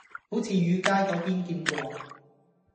好似魚街嗰邊見過